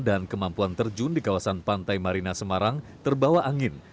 dan kemampuan terjun di kawasan pantai marina semarang terbawa angin